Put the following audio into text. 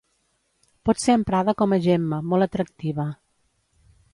Pot ser emprada com a gemma, molt atractiva.